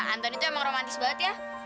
antoni tuh emang romantis banget ya